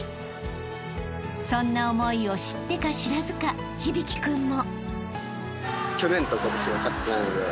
［そんな思いを知ってか知らずか響生君も］